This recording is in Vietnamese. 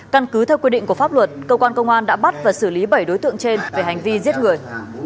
căn cứ theo quy định của pháp luật cơ quan công an đã bắt và xử lý bảy đối tượng trên về hành vi giết người